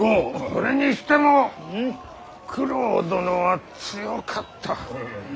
それにしても九郎殿は強かった。